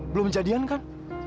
belum jadian kan